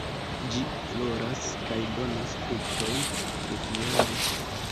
Ĝi floras kaj donas fruktojn tutjare.